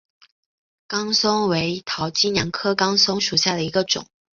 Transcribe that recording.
岗松为桃金娘科岗松属下的一个种。